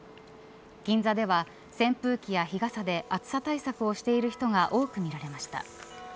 銀座では扇風機や日傘で暑さ対策をしている人が多く見られました。